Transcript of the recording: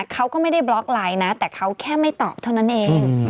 เขาก็ไม่ได้บล็อกไลน์นะแต่เขาแค่ไม่ตอบเท่านั้นเอง